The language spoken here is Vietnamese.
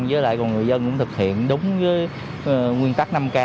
với lại cùng người dân cũng thực hiện đúng nguyên tắc năm k